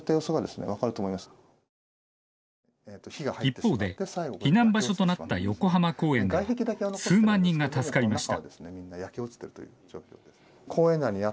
一方で避難場所となった横浜公園では数万人が助かりました。